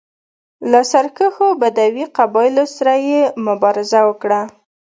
له سرکښو بدوي قبایلو سره یې مبارزه وکړه.